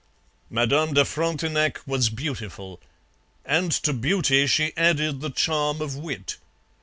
Madame de Frontenac was beautiful, and to beauty she added the charm of wit.